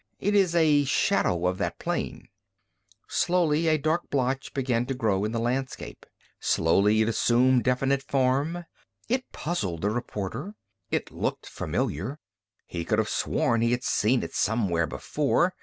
It is a shadow of that plane." Slowly a dark blotch began to grow in the landscape. Slowly it assumed definite form. It puzzled the reporter. It looked familiar. He could have sworn he had seen it somewhere before.